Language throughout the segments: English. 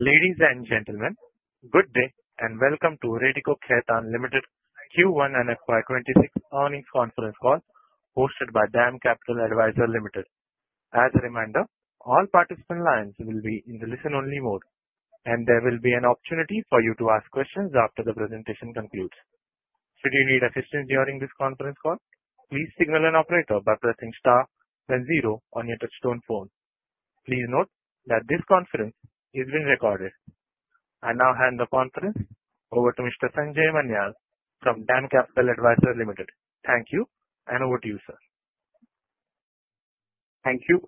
Ladies and gentlemen, good day and welcome to Radico Khaitan Limited Q1 and FY26 Earnings Conference Call hosted by DAM Capital Advisors Limited. As a reminder, all participant lines will be in the listen-only mode, and there will be an opportunity for you to ask questions after the presentation concludes. Should you need assistance during this conference call, please signal an operator by pressing star and zero on your touch-tone phone. Please note that this conference is being recorded. I now hand the conference over to Mr. Sanjay Manyal from DAM Capital Advisors Limited. Thank you, and over to you, sir. Thank you.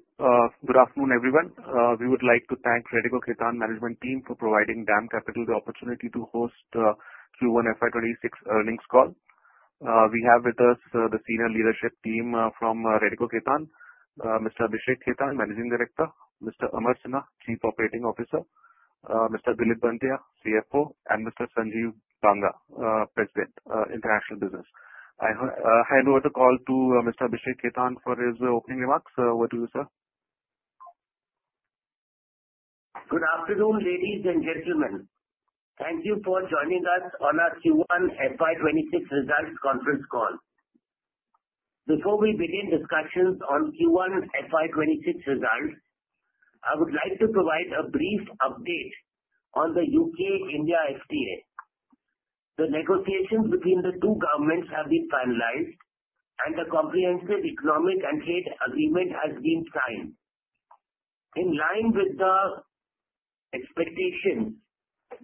Good afternoon, everyone. We would like to thank Radico Khaitan Management Team for providing DAM Capital the opportunity to host Q1 FY26 earnings call. We have with us the senior leadership team from Radico Khaitan, Mr. Abhishek Khaitan, Managing Director, Mr. Amar Sinha, Chief Operating Officer, Mr. Dilip Banthiya, CFO, and Mr. Sanjay Banga, President, International Business. I hand over the call to Mr. Abhishek Khaitan for his opening remarks. Over to you, sir. Good afternoon, ladies and gentlemen. Thank you for joining us on our Q1 FY26 results conference call. Before we begin discussions on Q1 FY26 results, I would like to provide a brief update on the U.K.-India FTA. The negotiations between the two governments have been finalized, and the comprehensive economic and trade agreement has been signed. In line with the expectations,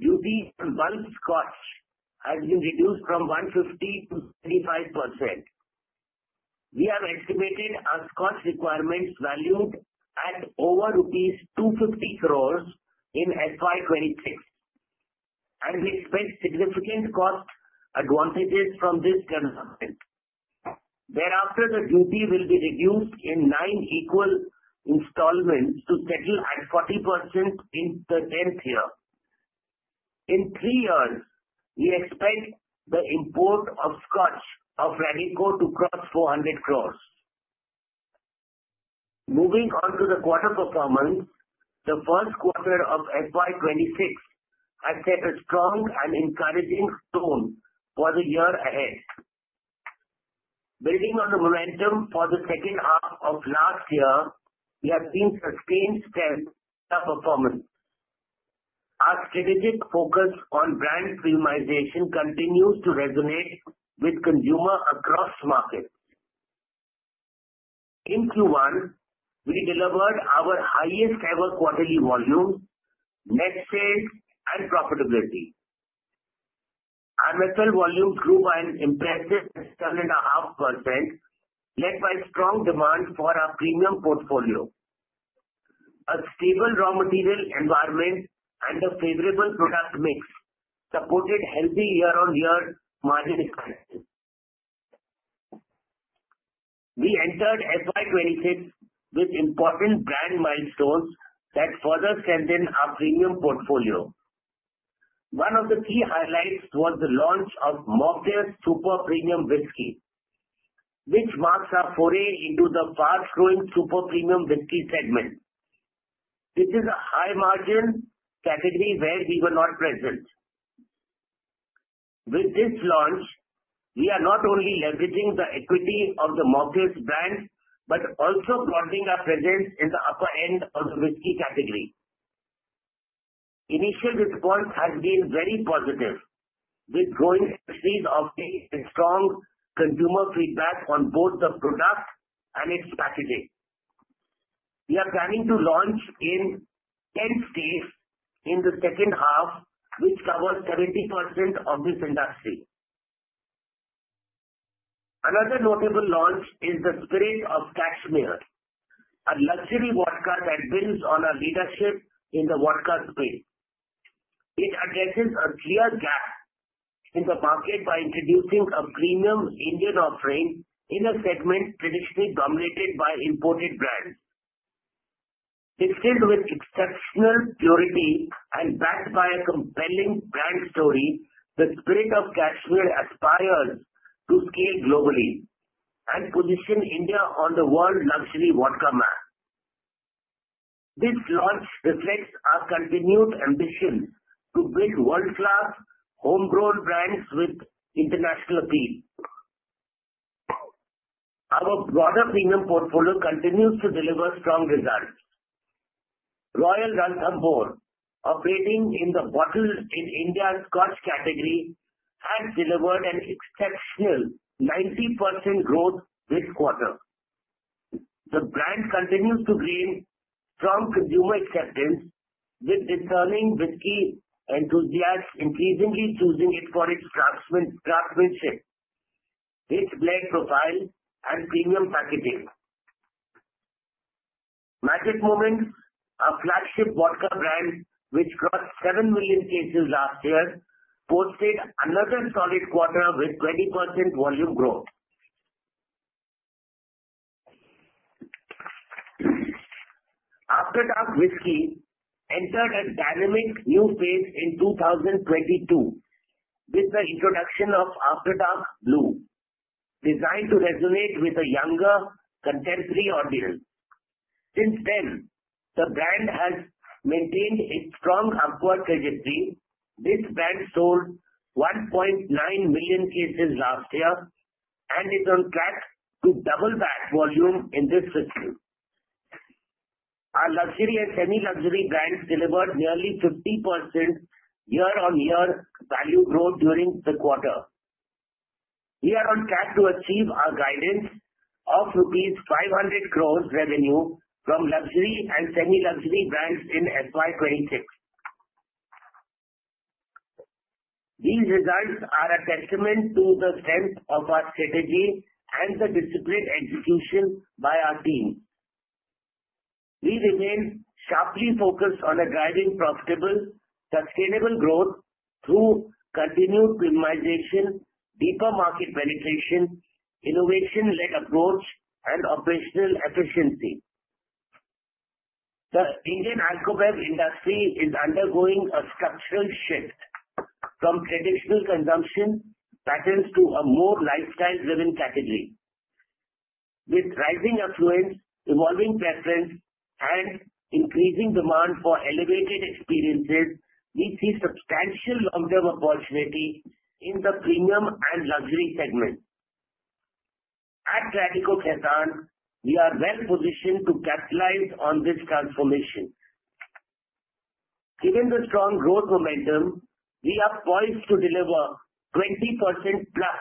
duty on bulk Scotch has been reduced from 150%-25%. We have estimated our Scotch requirements valued at over rupees 250 crores in FY26, and we expect significant cost advantages from this conference. Thereafter, the duty will be reduced in nine equal installments to settle at 40% in the 10th year. In three years, we expect the import of Scotch of Radico to cross 400 crores. Moving on to the quarter performance, the first quarter of FY26 has set a strong and encouraging tone for the year ahead. Building on the momentum for the second half of last year, we have seen sustained solid performance. Our strategic focus on brand premiumization continues to resonate with consumer across markets. In Q1, we delivered our highest-ever quarterly volume, net sales, and profitability. Our net sales volume grew by an impressive 7.5%, led by strong demand for our premium portfolio. A stable raw material environment and a favorable product mix supported healthy year-on-year margin expectations. We entered FY26 with important brand milestones that further strengthened our premium portfolio. One of the key highlights was the launch of Morpheus Super Premium Whisky, which marks our foray into the fast-growing super premium whisky segment. This is a high-margin category where we were not present. With this launch, we are not only leveraging the equity of the Morpheus brand but also broadening our presence in the upper end of the whisky category. Initial response has been very positive, with growing entries of strong consumer feedback on both the product and its packaging. We are planning to launch in 10 states in the second half, which covers 70% of this industry. Another notable launch is the Spirit of Kashmir, a luxury vodka that builds on our leadership in the vodka space. It addresses a clear gap in the market by introducing a premium Indian offering in a segment traditionally dominated by imported brands. Distilled with exceptional purity and backed by a compelling brand story, the Spirit of Kashmir aspires to scale globally and position India on the world luxury vodka map. This launch reflects our continued ambition to build world-class, homegrown brands with international appeal. Our broader premium portfolio continues to deliver strong results. Royal Ranthambore, operating in the bottled-in-India Scotch category, has delivered an exceptional 90% growth this quarter. The brand continues to gain strong consumer acceptance, with discerning whisky enthusiasts increasingly choosing it for its craftsmanship, its blend profile, and premium packaging. Magic Moments, a flagship vodka brand which crossed 7 million cases last year, posted another solid quarter with 20% volume growth. After Dark whisky entered a dynamic new phase in 2022 with the introduction of After Dark Blue, designed to resonate with a younger contemporary audience. Since then, the brand has maintained its strong upward trajectory. This brand sold 1.9 million cases last year and is on track to double that volume in this fiscal. Our luxury and semi-luxury brands delivered nearly 50% year-on-year value growth during the quarter. We are on track to achieve our guidance of rupees 500 crores revenue from luxury and semi-luxury brands in FY26. These results are a testament to the strength of our strategy and the disciplined execution by our team. We remain sharply focused on driving profitable, sustainable growth through continued premiumization, deeper market penetration, innovation-led approach, and operational efficiency. The Indian alcohol industry is undergoing a structural shift from traditional consumption patterns to a more lifestyle-driven category. With rising affluence, evolving preference, and increasing demand for elevated experiences, we see substantial long-term opportunity in the premium and luxury segment. At Radico Khaitan, we are well-positioned to capitalize on this transformation. Given the strong growth momentum, we are poised to deliver 20% plus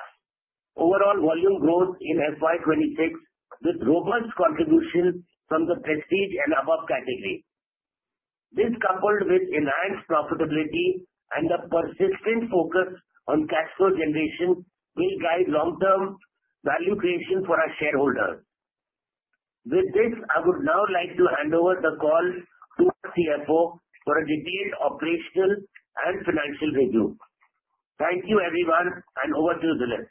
overall volume growth in FY26 with robust contributions from the prestige and above category. This, coupled with enhanced profitability and a persistent focus on cash flow generation, will guide long-term value creation for our shareholders. With this, I would now like to hand over the call to our CFO for a detailed operational and financial review. Thank you, everyone, and over to you, Dilip.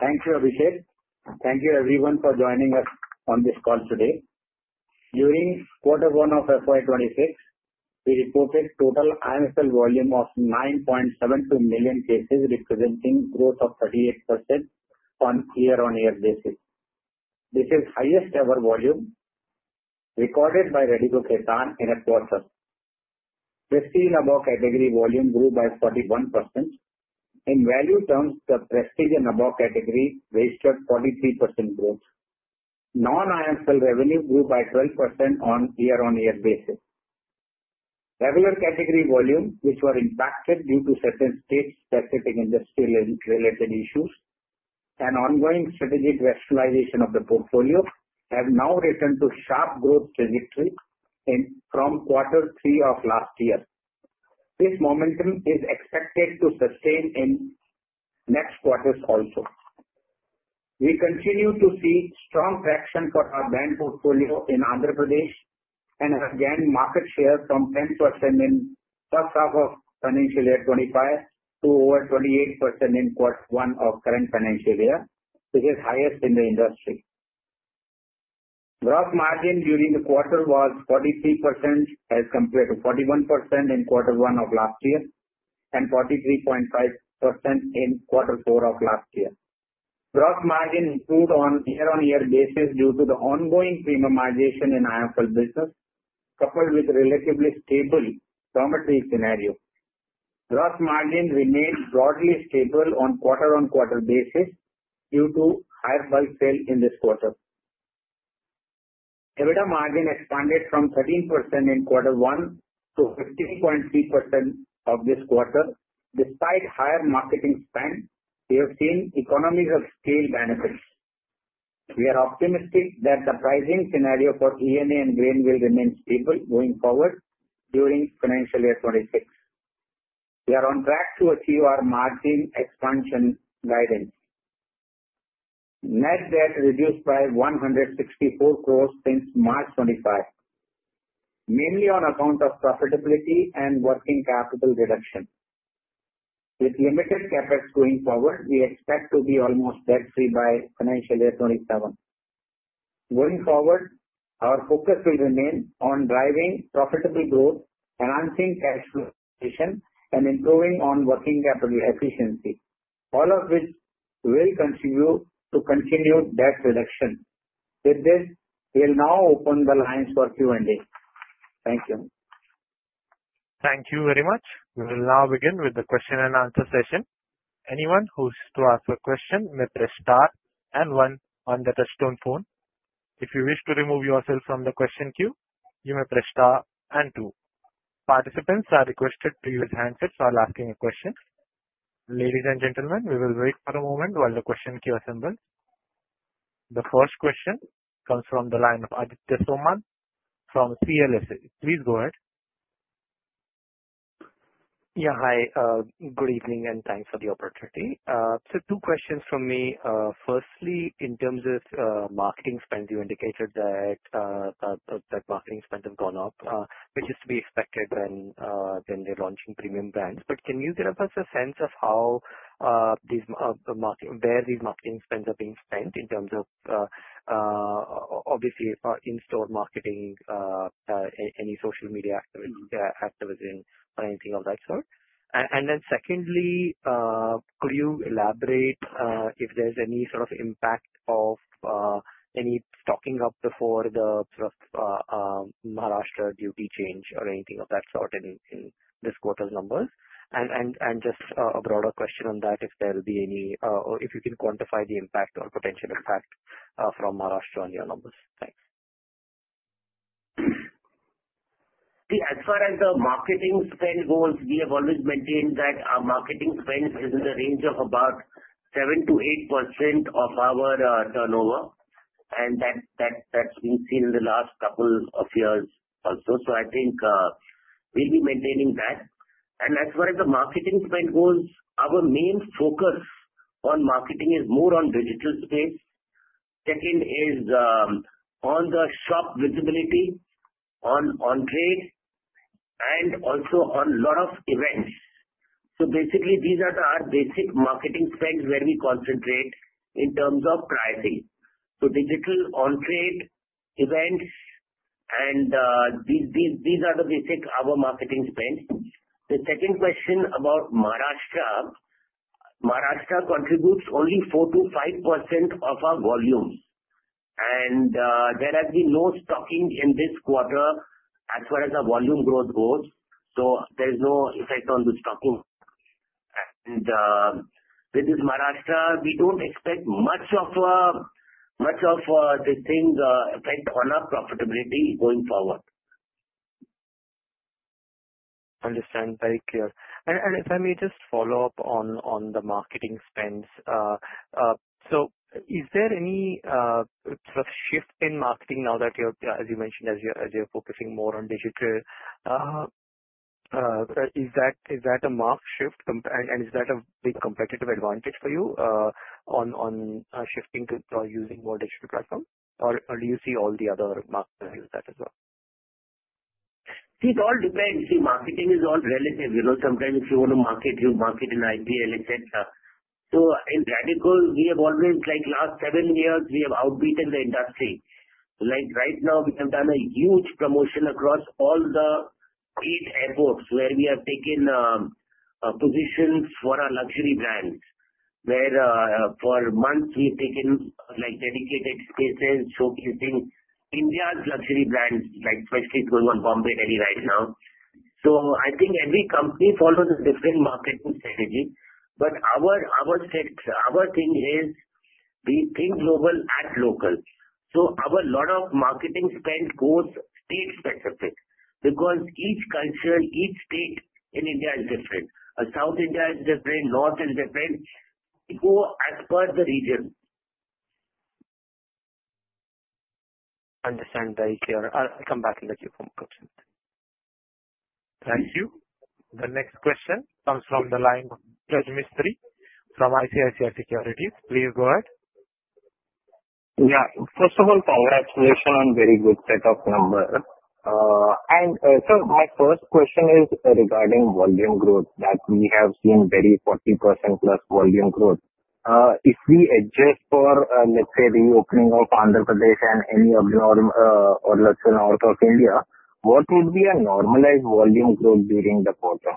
Thank you, Abhishek. Thank you, everyone, for joining us on this call today. During quarter one of FY26, we reported total IMFL volume of 9.72 million cases, representing growth of 38% on a year-on-year basis. This is the highest-ever volume recorded by Radico Khaitan in a quarter. Prestige and above category volume grew by 41%. In value terms, the prestige and above category registered 43% growth. Non-IMFL revenue grew by 12% on a year-on-year basis. Regular category volume, which was impacted due to certain state-specific industrial-related issues and ongoing strategic rationalization of the portfolio, has now returned to a sharp growth trajectory from quarter three of last year. This momentum is expected to sustain in next quarters also. We continue to see strong traction for our brand portfolio in Andhra Pradesh and has gained market share from 10% in the first half of financial year 2025 to over 28% in quarter one of the current financial year, which is the highest in the industry. Gross margin during the quarter was 43% as compared to 41% in quarter one of last year and 43.5% in quarter four of last year. Gross margin improved on a year-on-year basis due to the ongoing premiumization in IMFL business, coupled with a relatively stable raw material scenario. Gross margin remained broadly stable on quarter-on-quarter basis due to higher bulk sale in this quarter. EBITDA margin expanded from 13% in quarter one to 15.3% in this quarter. Despite higher marketing spend, we have seen economies of scale benefits. We are optimistic that the pricing scenario for ENA and grain will remain stable going forward during financial year 2026. We are on track to achieve our margin expansion guidance. Net debt reduced by 164 crores since March 2025, mainly on account of profitability and working capital reduction. With limited CapEx going forward, we expect to be almost debt-free by financial year 2027. Going forward, our focus will remain on driving profitable growth, enhancing cash flow distribution, and improving working capital efficiency, all of which will contribute to continued debt reduction. With this, we will now open the lines for Q&A. Thank you. Thank you very much. We will now begin with the question-and-answer session. Anyone who wishes to ask a question may press star and one on the touch-tone phone. If you wish to remove yourself from the question queue, you may press star and two. Participants are requested to use handsets while asking a question. Ladies and gentlemen, we will wait for a moment while the question queue assembles. The first question comes from the line of Aditya Soman from CLSA. Please go ahead. Yeah, hi. Good evening and thanks for the opportunity. So, two questions from me. Firstly, in terms of marketing spend, you indicated that marketing spend has gone up, which is to be expected when they're launching premium brands. But can you give us a sense of where these marketing spends are being spent in terms of, obviously, in-store marketing, any social media activism, or anything of that sort? And then secondly, could you elaborate if there's any sort of impact of any stocking up before the Maharashtra duty change or anything of that sort in this quarter's numbers? And just a broader question on that, if there will be any or if you can quantify the impact or potential impact from Maharashtra on your numbers? Thanks. As far as the marketing spend goes, we have always maintained that our marketing spend is in the range of about 7%-8% of our turnover, and that's been seen in the last couple of years also, so I think we'll be maintaining that, and as far as the marketing spend goes, our main focus on marketing is more on digital space. Second is on the shop visibility on trade and also on a lot of events, so basically, these are our basic marketing spends where we concentrate in terms of pricing, so digital on-trade events, and these are the basic marketing spends. The second question about Maharashtra: Maharashtra contributes only 4%-5% of our volumes, and there has been no stocking in this quarter as far as the volume growth goes. So there is no effect on the stocking. With this Maharashtra, we don't expect much of this thing's effect on our profitability going forward. Understand. Very clear. And if I may just follow up on the marketing spends, so is there any shift in marketing now that you're, as you mentioned, as you're focusing more on digital? Is that a marked shift, and is that a big competitive advantage for you on shifting to using more digital platforms, or do you see all the other marketers do that as well? It all depends. Marketing is all relative. Sometimes if you want to market, you market in IPL, etc. So in Radico, we have always, like last seven years, we have outbeaten the industry. Right now, we have done a huge promotion across all the eight airports where we have taken positions for our luxury brands, where for months we've taken dedicated spaces showcasing India's luxury brands, especially going on Bombay, Delhi right now. So I think every company follows a different marketing strategy. But our thing is we think global at local. So our lot of marketing spend goes state-specific because each culture, each state in India is different. South India is different, North is different. Go as per the region. Understand. Very clear. I'll come back to the queue form question. Thank you. The next question comes from the line of Raj Mistry from ICICI Securities. Please go ahead. Yeah. First of all, congratulations on a very good set of numbers. And so my first question is regarding volume growth that we have seen, very 40% plus volume growth. If we adjust for, let's say, the opening of Andhra Pradesh and any other north of India, what would be a normalized volume growth during the quarter?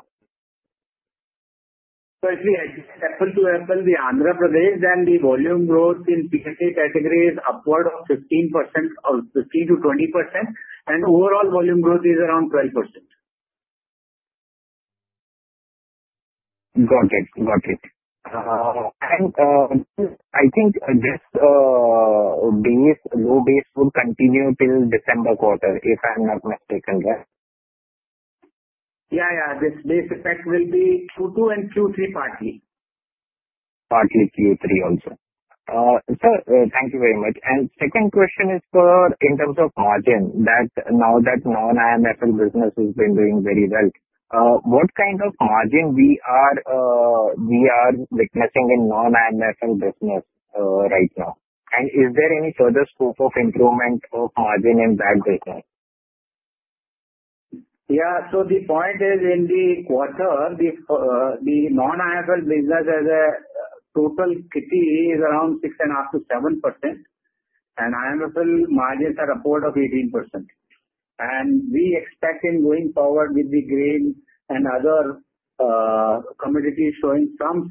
So if we add apple-to-apple, the Andhra Pradesh, then the volume growth in P&A category is upward of 15% or 15%-20%, and overall volume growth is around 12%. Got it. Got it. I think this low base will continue till December quarter, if I'm not mistaken, right? Yeah, yeah. This base effect will be Q2 and Q3 partly. Partly Q3 also. So thank you very much. And second question is for in terms of margin, now that non-IMFL business has been doing very well, what kind of margin we are witnessing in non-IMFL business right now? And is there any further scope of improvement of margin in that business? Yeah. So the point is in the quarter, the non-IMFL business has a total KTE is around 6.5%-7%, and IMFL margins are upward of 18%. And we expect in going forward with the grain and other commodities showing some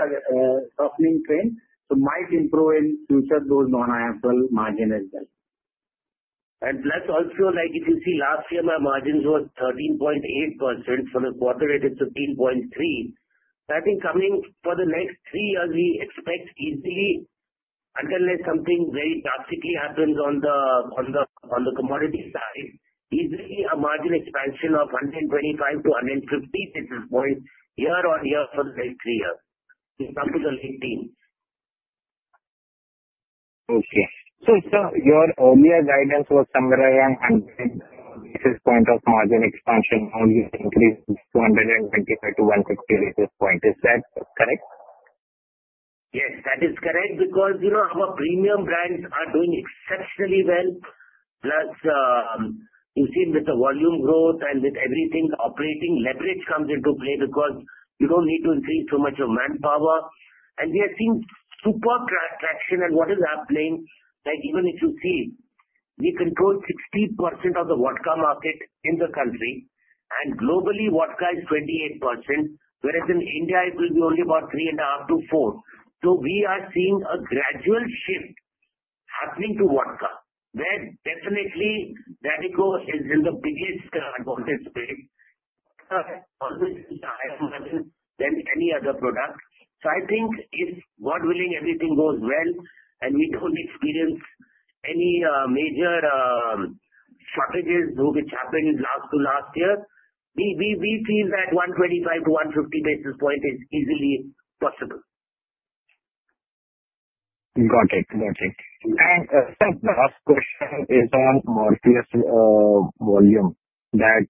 softening trend, so might improve in future those non-IMFL margin as well. And plus also, like if you see last year, my margins were 13.8% for the quarter. It is 15.3%. So I think coming for the next three years, we expect easily, until something very drastically happens on the commodity side, easily a margin expansion of 125%-150% at this point year on year for the next three years. We'll come to the late team. Okay. Your earlier guidance was 100 basis points of margin expansion only increased 25 to 125 basis points. Is that correct? Yes, that is correct because our premium brands are doing exceptionally well. Plus, you see with the volume growth and with everything, operating leverage comes into play because you don't need to increase too much of manpower. And we are seeing super traction. And what is happening, even if you see, we control 60% of the vodka market in the country, and globally, vodka is 28%, whereas in India, it will be only about 3.5%-4%. So we are seeing a gradual shift happening to vodka, where definitely Radico is in the biggest advantage space on this higher margin than any other product. So I think if God willing, everything goes well and we don't experience any major shortages, which happened last to last year, we feel that 125-150 basis points is easily possible. Got it. Got it. And last question is on Morpheus volume that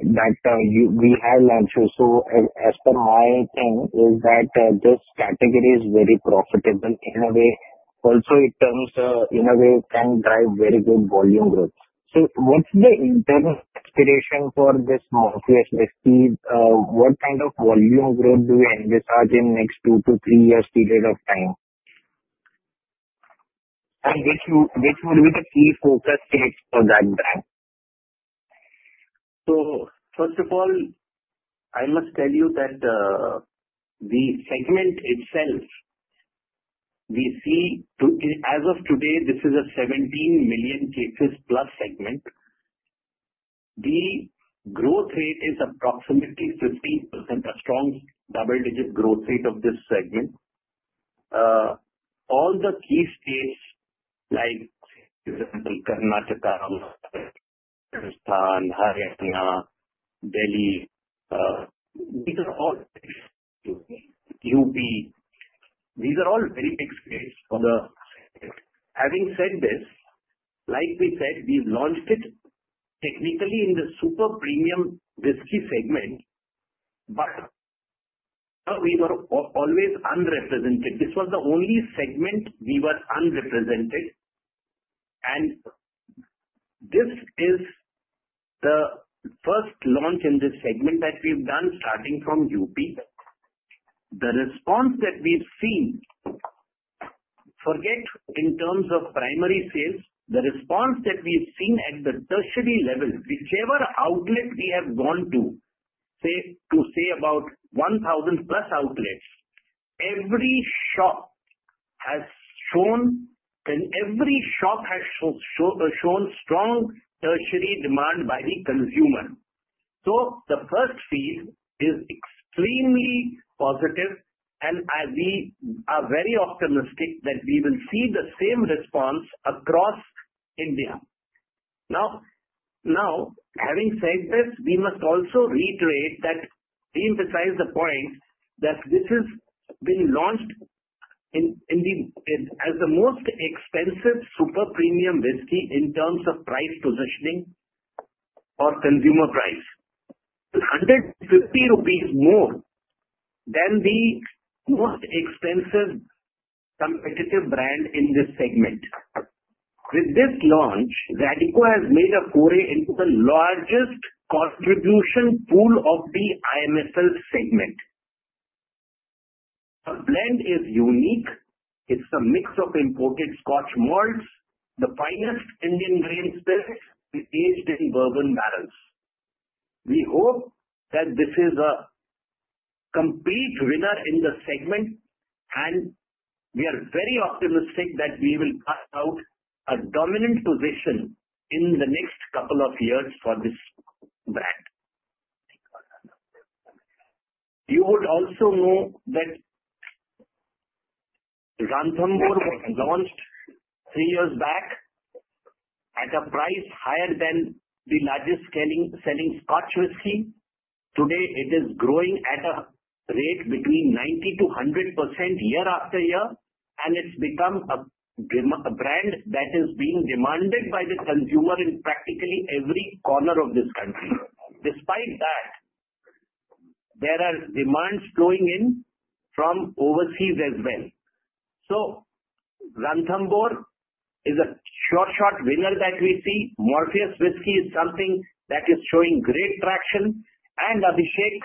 we have launched. So as per my thing, is that this category is very profitable in a way. Also, it turns in a way can drive very good volume growth. So what's the internal aspiration for this market? What kind of volume growth do you envisage in the next two to three years' period of time? And which will be the key focus states for that brand? So first of all, I must tell you that the segment itself, we see as of today, this is a 17 million cases plus segment. The growth rate is approximately 15%, a strong double-digit growth rate of this segment. All the key states like Karnataka, Uttar Pradesh, Andhra Pradesh, Haryana, Delhi, these are all up, these are all very big states for the segment. Having said this, like we said, we launched it technically in the super premium whiskey segment, but we were always unrepresented. This was the only segment we were unrepresented. And this is the first launch in this segment that we've done starting from UP. The response that we've seen, forget in terms of primary sales, the response that we've seen at the tertiary level, whichever outlet we have gone to, say, about 1,000 plus outlets, every shop has shown strong tertiary demand by the consumer. So the first feed is extremely positive, and we are very optimistic that we will see the same response across India. Now, having said this, we must also reiterate that we emphasize the point that this has been launched as the most expensive super premium whiskey in terms of price positioning or consumer price, 150 rupees more than the most expensive competitive brand in this segment. With this launch, Radico has made a foray into the largest contribution pool of the IMFL segment. The blend is unique. It's a mix o`f imported Scotch malts, the finest Indian grain spirit aged in bourbon barrels. We hope that this is a complete winner in the segment, and we are very optimistic that we will carve out a dominant position in the next couple of years for this brand. You would also know that Ranthambore was launched three years back at a price higher than the largest selling Scotch whiskey. Today, it is growing at a rate between 90%-100% year after year, and it's become a brand that is being demanded by the consumer in practically every corner of this country. Despite that, there are demands flowing in from overseas as well, so Ranthambore is a sure-shot winner that we see. Morpheus Whiskey is something that is showing great traction, and Abhishek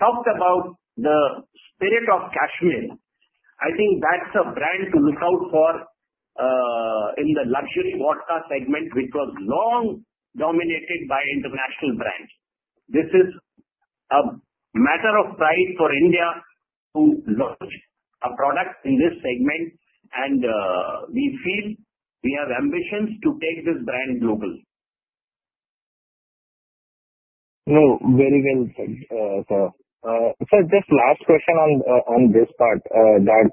talked about the spirit of Kashmir. I think that's a brand to look out for in the luxury vodka segment, which was long dominated by international brands. This is a matter of pride for India to launch a product in this segment, and we feel we have ambitions to take this brand globally. No, very well said. So just last question on this part, that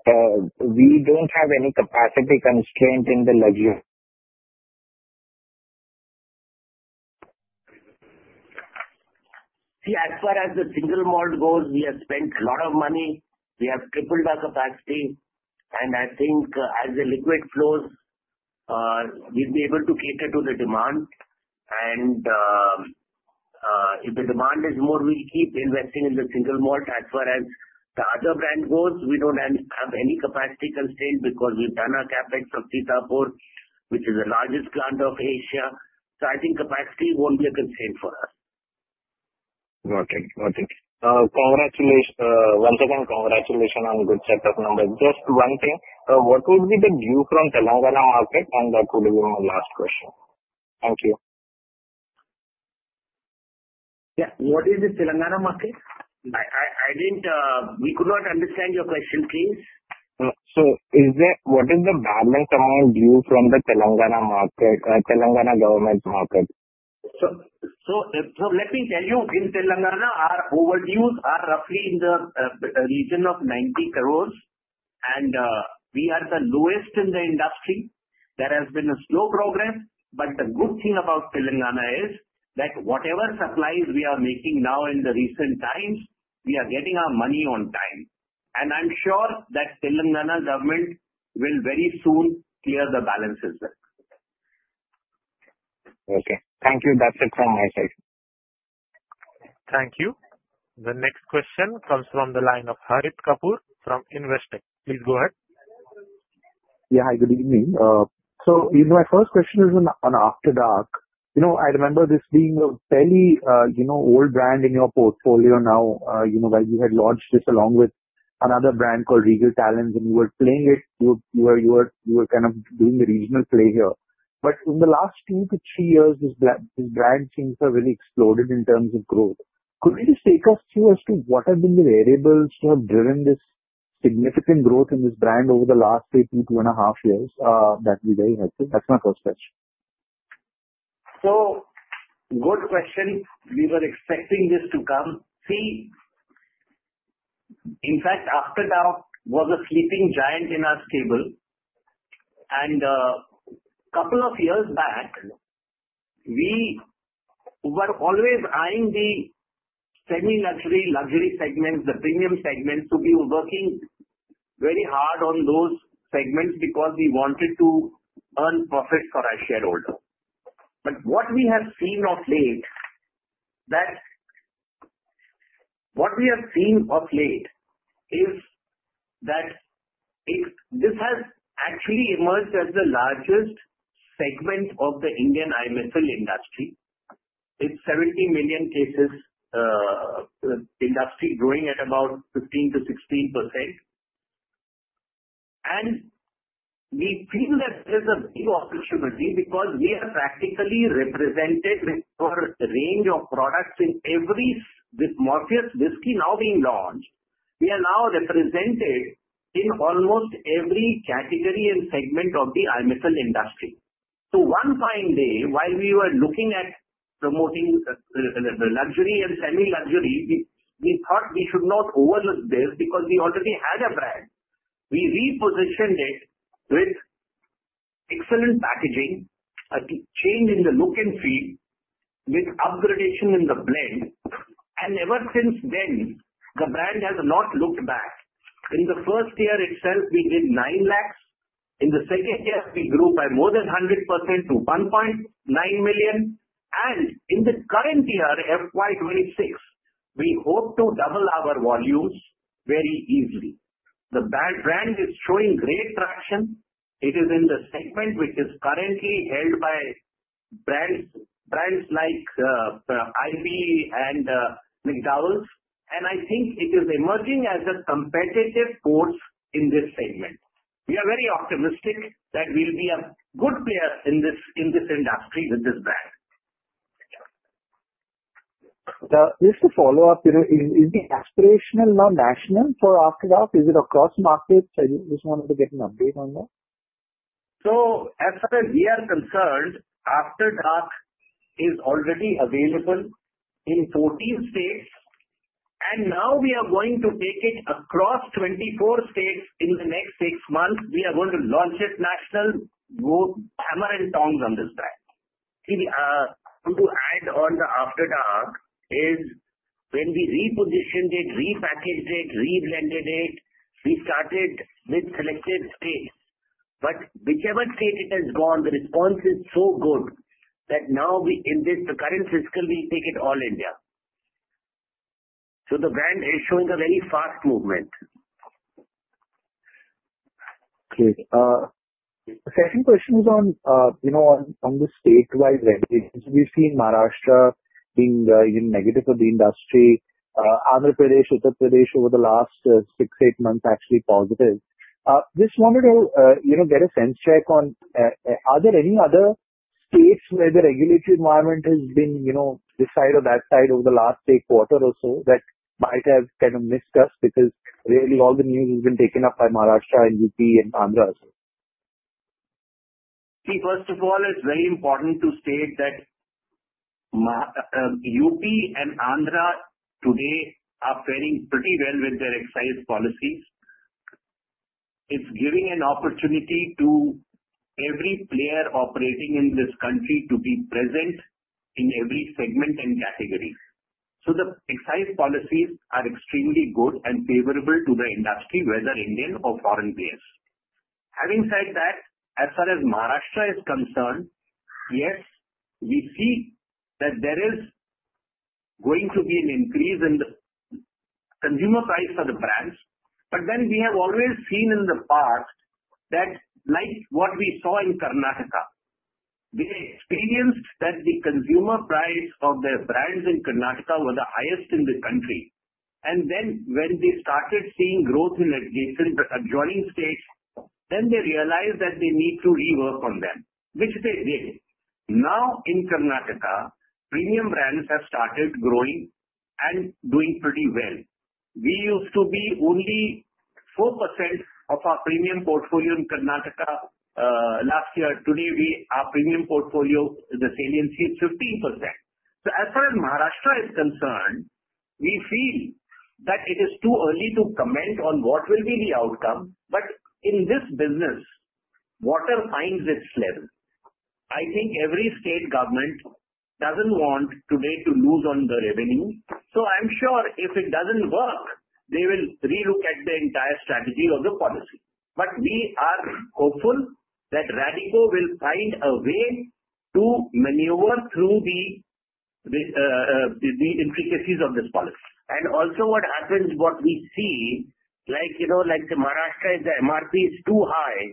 we don't have any capacity constraint in the luxury? Yes. As far as the single malt goes, we have spent a lot of money. We have tripled our capacity. And I think as the liquid flows, we'll be able to cater to the demand. And if the demand is more, we'll keep investing in the single malt. As far as the other brand goes, we don't have any capacity constraint because we've done our CapEx of Sitapur, which is the largest plant of Asia. So I think capacity won't be a constraint for us. Got it. Got it. Once again, congratulations on good set of numbers. Just one thing, what would be the view from Telangana market? And that would be my last question. Thank you. Yeah. What is the Telangana market? We could not understand your question, please. So what is the balance amount view from the Telangana market, Telangana government market? So let me tell you, in Telangana, our overdues are roughly in the region of 90 crores, and we are the lowest in the industry. There has been a slow progress, but the good thing about Telangana is that whatever supplies we are making now in the recent times, we are getting our money on time. And I'm sure that Telangana government will very soon clear the balances with. Okay. Thank you. That's it from my side. Thank you. The next question comes from the line of Harit Kapoor from Investec. Please go ahead. Yeah. Hi, good evening. So my first question is on After Dark. I remember this being a fairly old brand in your portfolio now, where you had launched this along with another brand called Regal Talons, and you were playing it. You were kind of doing the regional play here. But in the last two to three years, this brand seems to have really exploded in terms of growth. Could you just take us through as to what have been the variables to have driven this significant growth in this brand over the last two, two and a half years? That would be very helpful. That's my first question. Good question. We were expecting this to come. See, in fact, After Dark was a sleeping giant in our stable. A couple of years back, we were always eyeing the semi-luxury segments, the premium segments, to be working very hard on those segments because we wanted to earn profit for our shareholders. What we have seen of late, that what we have seen of late is that this has actually emerged as the largest segment of the Indian IMFL industry. It's 70 million cases industry growing at about 15%-16%. We feel that there's a big opportunity because we are practically represented with our range of products in every Morpheus whisky now being launched. We are now represented in almost every category and segment of the IMFL industry. So one fine day, while we were looking at promoting the luxury and semi-luxury, we thought we should not overlook this because we already had a brand. We repositioned it with excellent packaging, a change in the look and feel, with upgradation in the blend. And ever since then, the brand has not looked back. In the first year itself, we did nine lakhs. In the second year, we grew by more than 100% to 1.9 million. And in the current year, FY26, we hope to double our volumes very easily. The brand is showing great traction. It is in the segment which is currently held by brands like IB and McDowell's. And I think it is emerging as a competitive force in this segment. We are very optimistic that we'll be a good player in this industry with this brand. Now, just to follow up, is the aspirational now national for After Dark? Is it across markets? I just wanted to get an update on that. So as far as we are concerned, After Dark is already available in 14 states. And now we are going to take it across 24 states in the next six months. We are going to launch it national, hammer and tongs on this brand. To add on the After Dark is when we repositioned it, repackaged it, reblended it, we started with selected states. But whichever state it has gone, the response is so good that now in the current fiscal, we take it all India. So the brand is showing a very fast movement. Okay. Second question is on the statewide regulations. We've seen Maharashtra being negative for the industry, Andhra Pradesh, Uttar Pradesh over the last six, eight months actually positive. Just wanted to get a sense check on are there any other states where the regulatory environment has been this side or that side over the last quarter or so that might have kind of missed us because really all the news has been taken up by Maharashtra and UP and Andhra as well? See, first of all, it's very important to state that UP and Andhra today are faring pretty well with their excise policies. It's giving an opportunity to every player operating in this country to be present in every segment and category. So the excise policies are extremely good and favorable to the industry, whether Indian or foreign players. Having said that, as far as Maharashtra is concerned, yes, we see that there is going to be an increase in the consumer price for the brands. But then we have always seen in the past that like what we saw in Karnataka, they experienced that the consumer price of their brands in Karnataka were the highest in the country. And then when they started seeing growth in adjoining states, then they realized that they need to rework on them, which they did. Now in Karnataka, premium brands have started growing and doing pretty well. We used to be only 4% of our premium portfolio in Karnataka last year. Today, our premium portfolio in the saliency is 15%. So as far as Maharashtra is concerned, we feel that it is too early to comment on what will be the outcome, but in this business, water finds its level. I think every state government doesn't want today to lose on the revenue. So I'm sure if it doesn't work, they will relook at the entire strategy of the policy, but we are hopeful that Radico will find a way to maneuver through the intricacies of this policy. And also what happens, what we see, like Maharashtra is the MRP is too high,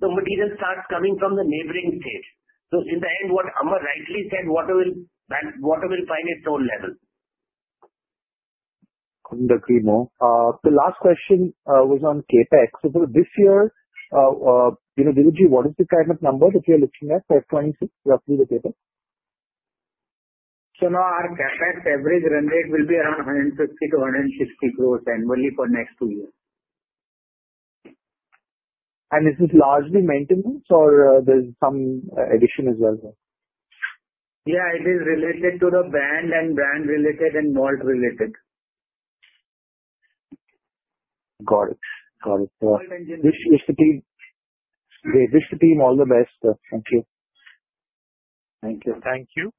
the material starts coming from the neighboring states. So in the end, what Amar rightly said, water will find its own level. The last question was on CapEx, so for this year, Dilip ji, what is the kind of number that you're looking at for 26 roughly the CapEx? So now our CapEx average run rate will be around 150-160 crores annually for next two years. Is this largely maintenance or there's some addition as well? Yeah, it is related to the brand and brand related and malt related. Got it. Got it. Wish the team all the best. Thank you. Thank you. Thank you.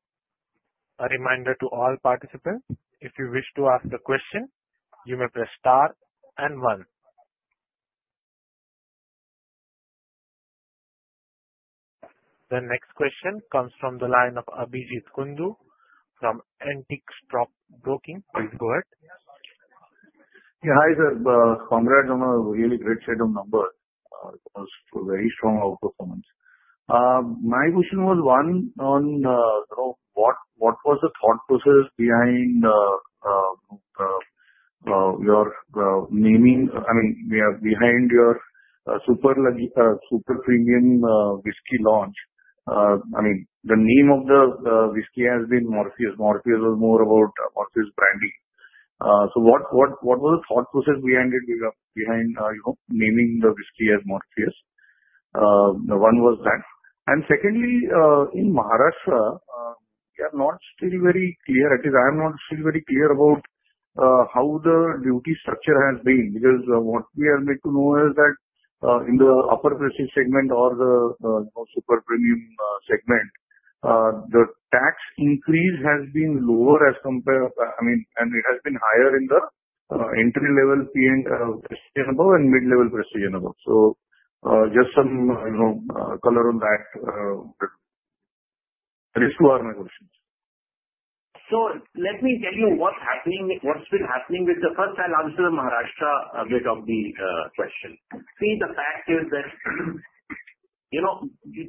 A reminder to all participants, if you wish to ask a question, you may press star and one. The next question comes from the line of Abhijeet Kundu from Antique Stock Broking. Please go ahead. Yeah. Hi, sir. Congrats on a really great set of numbers. It was a very strong outperformance. My question was one on what was the thought process behind your naming, I mean, behind your super premium whiskey launch. I mean, the name of the whiskey has been Morpheus. Morpheus was more about Morpheus branding. So what was the thought process behind naming the whiskey as Morpheus? One was that. And secondly, in Maharashtra, we are not still very clear. At least I am not still very clear about how the duty structure has been because what we have come to know is that in the upper price segment or the super premium segment, the tax increase has been lower as compared, I mean, and it has been higher in the entry-level prestige above and mid-level prestige above. So just some color on that. These two are my questions. So let me tell you what's been happening with the first. I'll answer the Maharashtra bit of the question. See, the fact is that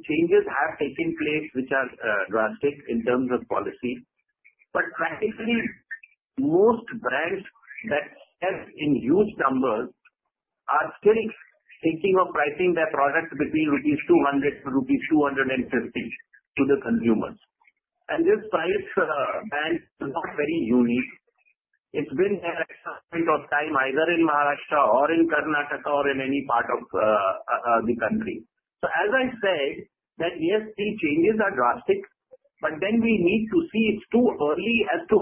changes have taken place, which are drastic in terms of policy. But practically, most brands that have induced numbers are still thinking of pricing their product between 200-250 rupees to the consumers. And this price band is not very unique. It's been there at some point of time either in Maharashtra or in Karnataka or in any part of the country. So as I said, that yes, these changes are drastic, but then we need to see it's too early as to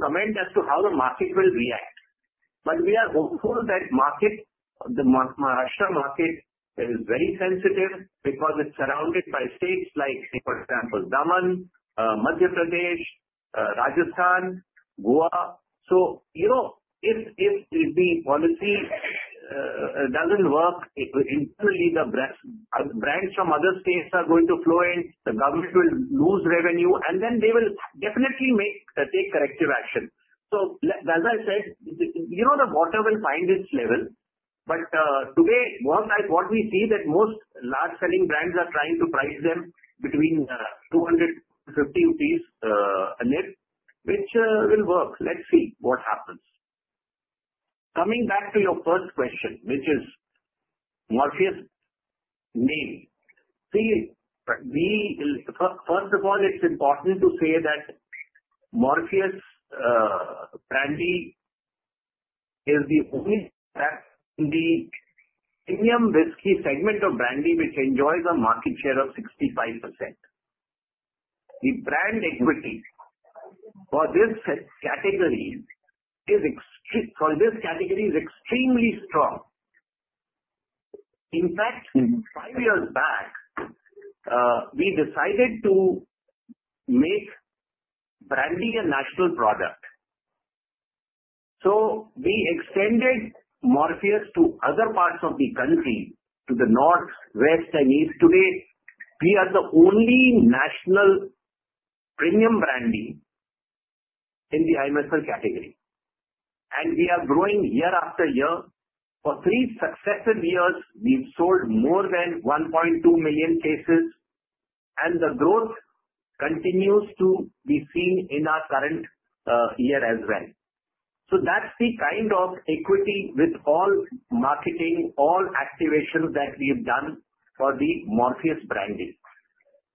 comment as to how the market will react. But we are hopeful that the Maharashtra market is very sensitive because it's surrounded by states like, for example, Daman, Madhya Pradesh, Rajasthan, Goa. If the policy doesn't work, internally, the brands from other states are going to flow in. The government will lose revenue, and then they will definitely take corrective action. As I said, the water will find its level. But today, what we see is that most large-selling brands are trying to price them between 200-50 rupees a nip, which will work. Let's see what happens. Coming back to your first question, which is Morpheus name. See, first of all, it's important to say that Morpheus brandy is the only premium whiskey segment of brandy which enjoys a market share of 65%. The brand equity for this category is extremely strong. In fact, five years back, we decided to make brandy a national product. We extended Morpheus to other parts of the country, to the north, west, and east. Today, we are the only national premium brandy in the IMFL category and we are growing year after year. For three successive years, we've sold more than 1.2 million cases, and the growth continues to be seen in our current year as well, so that's the kind of equity with all marketing, all activations that we've done for the Morpheus brandy.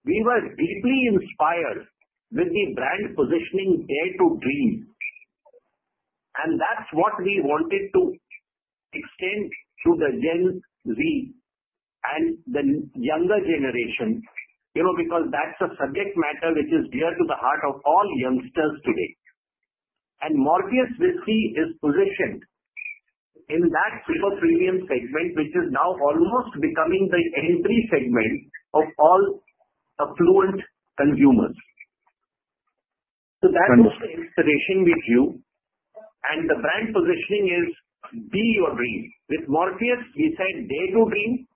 We were deeply inspired with the brand positioning "Dare to Dream" and that's what we wanted to extend to the Gen Z and the younger generation because that's a subject matter which is dear to the heart of all youngsters today and Morpheus whisky is positioned in that super premium segment, which is now almost becoming the entry segment of all affluent consumers, so that's the inspiration we drew and the brand positioning is "Be Your Dream." With Morpheus, we said "Dare to Dream.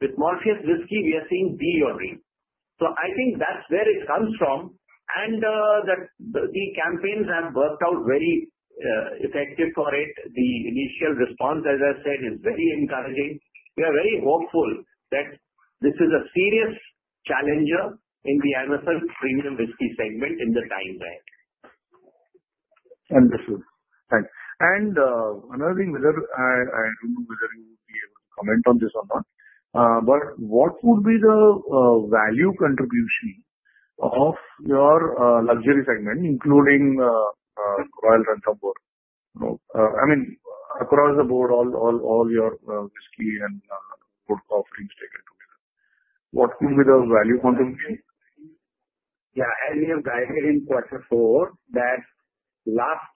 With Morpheus whisky, we are seeing 'Be Your Dream'. So I think that's where it comes from. And the campaigns have worked out very effective for it. The initial response, as I said, is very encouraging. We are very hopeful that this is a serious challenger in the IMFL premium whisky segment in the time ahead. Wonderful. Thanks. And another thing, I don't know whether you will be able to comment on this or not, but what would be the value contribution of your luxury segment, including Royal Ranthambore? I mean, across the board, all your whisky and cold coffees taken together. What would be the value contribution? Yeah. As we have guided in quarter four that last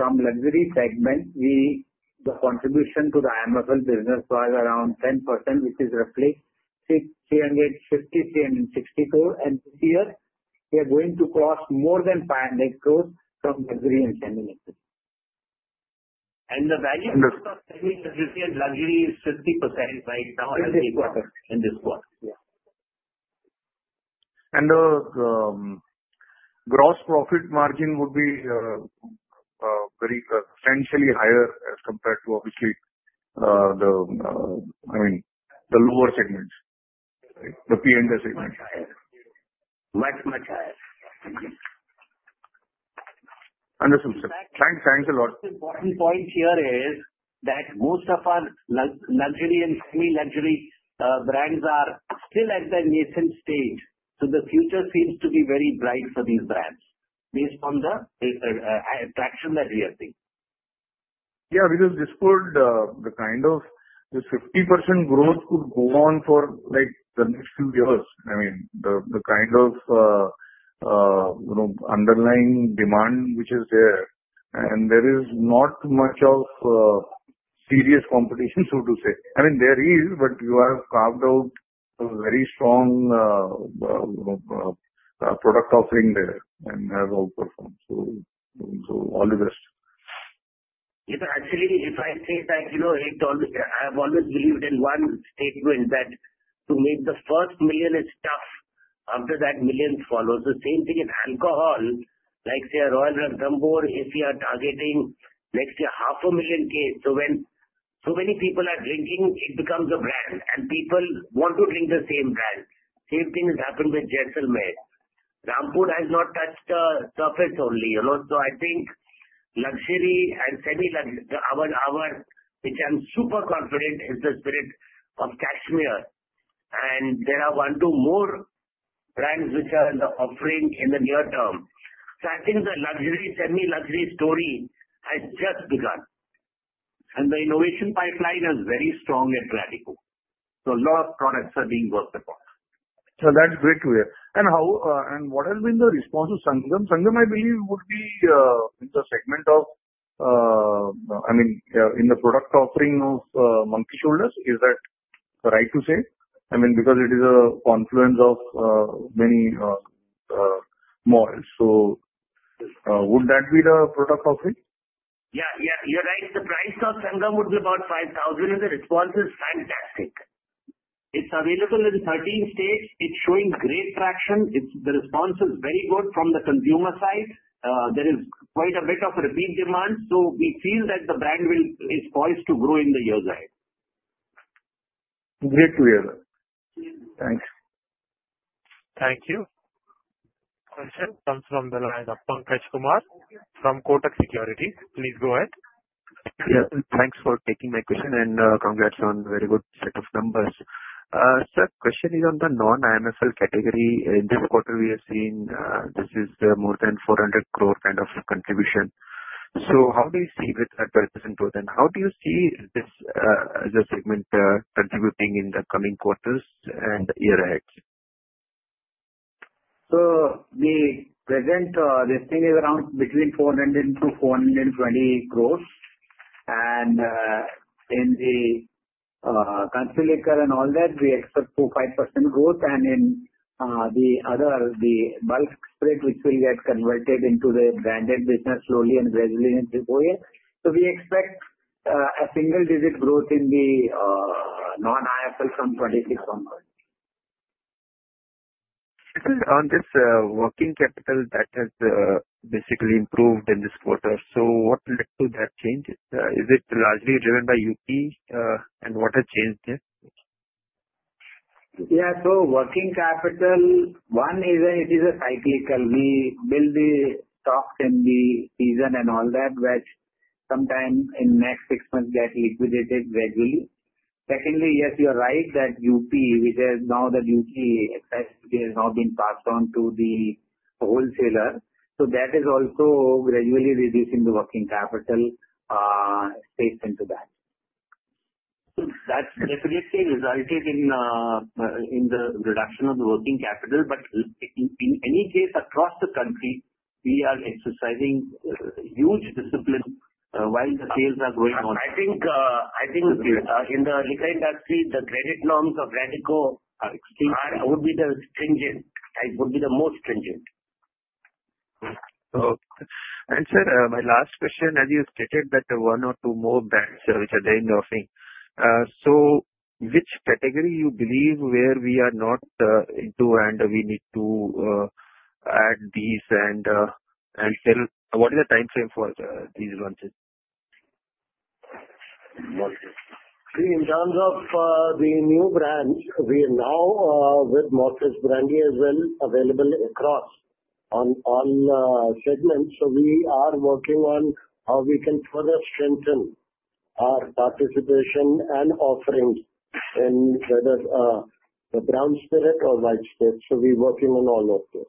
year, from luxury segment, the contribution to the IMFL business was around 10%, which is roughly 350,000 and 60,000. And this year, we are going to cross more than 5 lakh crores from luxury and semi-luxury. And the value of semi-luxury and luxury is 50% right now in this quarter. In this quarter. Yeah. The gross profit margin would be potentially higher as compared to, obviously, I mean, the lower segments, the P&L segment. Much, much higher. Wonderful, sir. Thanks a lot. Important point here is that most of our luxury and semi-luxury brands are still at their nascent stage. So the future seems to be very bright for these brands based on the traction that we are seeing. Yeah, because this could the kind of this 50% growth could go on for the next few years. I mean, the kind of underlying demand which is there, and there is not much of serious competition, so to say. I mean, there is, but you have carved out a very strong product offering there and have outperformed. So all the best. Actually, if I say that I have always believed in one statement that to make the first million is tough. After that, millions follow. So same thing in alcohol. Like say, Royal Ranthambore, if we are targeting next year 500,000 cases, so when so many people are drinking, it becomes a brand. And people want to drink the same brand. Same thing has happened with Jaisalmer. Rampur has not touched the surface only. So I think luxury and semi-luxury, which I'm super confident is the spirit of Kashmir. And there are one or two more brands which are offering in the near term. So I think the luxury semi-luxury story has just begun. And the innovation pipeline is very strong at Radico. So a lot of products are being worked upon. So that's great to hear. And what has been the response to Sangam? Sangam, I believe, would be in the segment of, I mean, in the product offering of Monkey Shoulder. Is that right to say? I mean, because it is a confluence of many malts. So would that be the product offering? Yeah. Yeah. You're right. The price of Sangam would be about 5,000. The response is fantastic. It's available in 13 states. It's showing great traction. The response is very good from the consumer side. There is quite a bit of repeat demand. So we feel that the brand is poised to grow in the years ahead. Great to hear. Thanks. Thank you. Question comes from the line of Pankaj Kumar from Kotak Securities. Please go ahead. Yeah. Thanks for taking my question and congrats on very good set of numbers. Sir, question is on the non-IMFL category. In this quarter, we have seen this is more than 400 crore kind of contribution. So how do you see with that portion too? And how do you see this as a segment contributing in the coming quarters and year ahead? So the present listing is around between 400-420 crores. And in the Kantar and all that, we expect to 5% growth. And in the other, the bulk spirit, which will get converted into the branded business slowly and gradually in three to four years. So we expect a single-digit growth in the non-IMFL from FY26. On this working capital that has basically improved in this quarter, so what led to that change? Is it largely driven by UP? And what has changed there? Yeah. So working capital, one is that it is a cyclical. We build the stock in the season and all that, which sometime in the next six months gets liquidated gradually. Secondly, yes, you're right that UP, which is now that UP has now been passed on to the wholesaler. So that is also gradually reducing the working capital space into that. That's definitely resulted in the reduction of the working capital. But in any case, across the country, we are exercising huge discipline while the sales are going on. I think in the retail industry, the credit norms of Radico would be the stringent. It would be the most stringent. And sir, my last question, as you stated that one or two more brands which are there in the offing. So which category do you believe where we are not into and we need to add these? And what is the timeframe for these launches? In terms of the new brands, we are now with Morpheus brandy as well, available across all segments, so we are working on how we can further strengthen our participation and offerings in whether the brown spirit or white spirit, so we're working on all of this,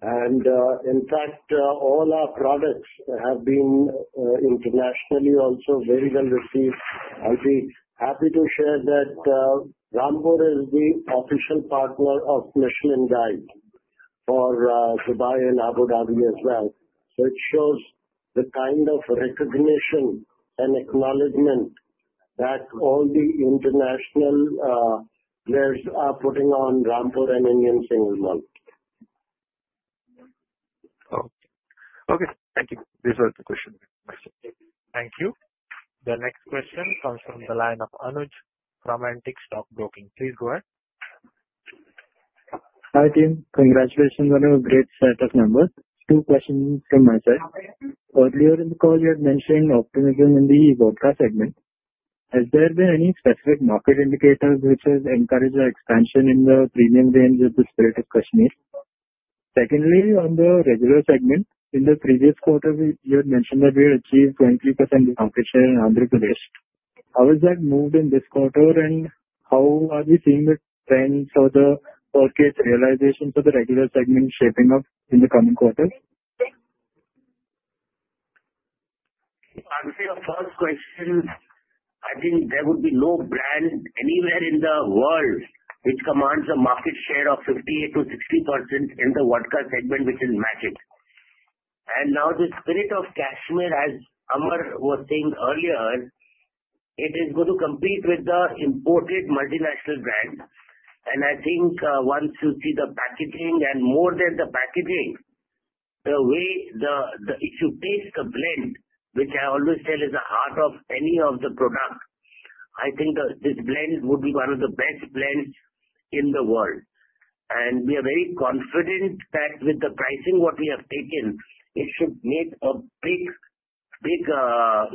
and in fact, all our products have been internationally also very well received. I'll be happy to share that Rampur is the official partner of Michelin Guide for Dubai and Abu Dhabi as well, so it shows the kind of recognition and acknowledgment that all the international players are putting on Rampur and Indian single malt. Okay. Thank you. These are the questions. Thank you. The next question comes from the line of Anuj from Antique Stock Broking. Please go ahead. Hi team. Congratulations. Great set of numbers. Two questions from my side. Earlier in the call, you had mentioned optimism in the vodka segment. Has there been any specific market indicators which have encouraged the expansion in the premium range of Jaisalmer? Secondly, on the regular segment, in the previous quarter, you had mentioned that we had achieved 23% market share in Andhra Pradesh. How has that moved in this quarter? And how are we seeing the trends or the forecast realizations of the regular segment shaping up in the coming quarter? I'll say the first question. I think there would be no brand anywhere in the world which commands a market share of 58%-60% in the vodka segment, which is Magic. And now the spirit of Kashmir, as Amar was saying earlier, it is going to compete with the imported multinational brands. And I think once you see the packaging and more than the packaging, the way that if you taste the blend, which I always tell is the heart of any of the products, I think this blend would be one of the best blends in the world. And we are very confident that with the pricing what we have taken, it should make a big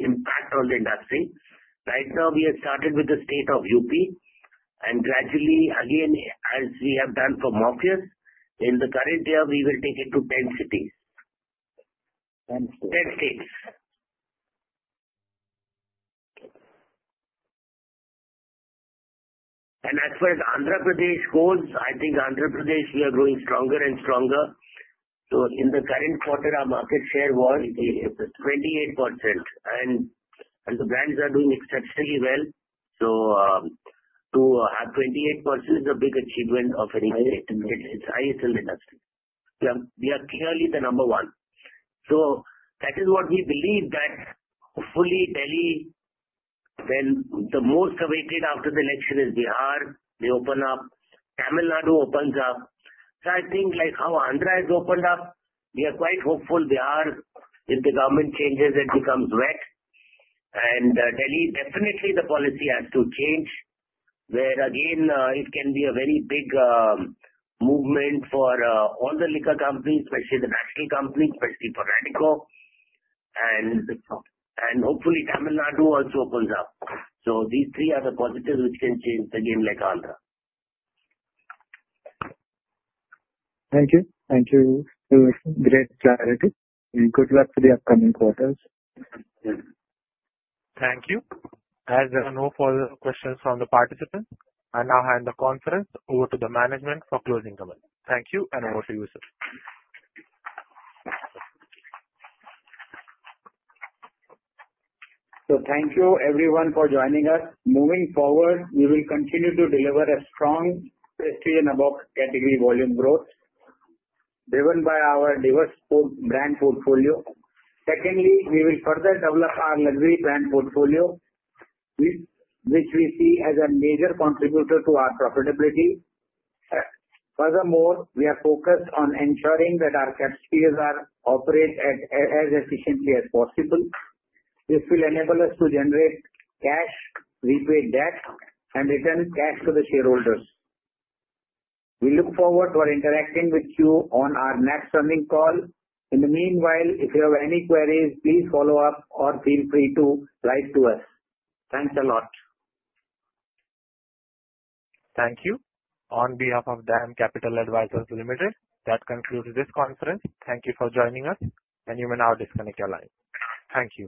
impact on the industry. Right now, we have started with the state of UP. And gradually, again, as we have done for Morpheus, in the current year, we will take it to 10 cities. 10 states. 10 states, and as far as Andhra Pradesh goes, I think Andhra Pradesh, we are growing stronger and stronger. So in the current quarter, our market share was 28%. And the brands are doing exceptionally well. So to have 28% is a big achievement of any state. It's highest in the industry. We are clearly the number one. So that is what we believe that hopefully Delhi, then the most awaited after the election is Bihar. They open up. Tamil Nadu opens up. So I think like how Andhra has opened up, we are quite hopeful. Bihar, if the government changes, it becomes wet. And Delhi, definitely the policy has to change where again, it can be a very big movement for all the liquor companies, especially the national companies, especially for Radico. And hopefully Tamil Nadu also opens up. So these three are the positives which can change the game like Andhra. Thank you. Thank you. Great clarity, and good luck for the upcoming quarters. Thank you. As there are no further questions from the participants, I now hand the conference over to the management for closing comments. Thank you, and over to you, sir. Thank you, everyone, for joining us. Moving forward, we will continue to deliver a strong prestige and above category volume growth driven by our diverse brand portfolio. Secondly, we will further develop our luxury brand portfolio, which we see as a major contributor to our profitability. Furthermore, we are focused on ensuring that our kapspbr operate as efficiently as possible. This will enable us to generate cash, repay debt, and return cash to the shareholders. We look forward to interacting with you on our next funding call. In the meanwhile, if you have any queries, please follow up or feel free to write to us. Thanks a lot. Thank you. On behalf of DAM Capital Advisors Limited, that concludes this conference. Thank you for joining us, and you may now disconnect your line. Thank you.